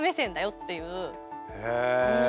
へえ。